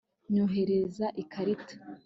nyoherereza ikarita